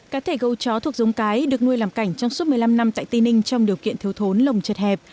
cá thể gấu chó thuộc giống cái được nuôi làm cảnh trong suốt một mươi năm năm tại tây ninh trong điều kiện thiếu thốn lồng chật hẹp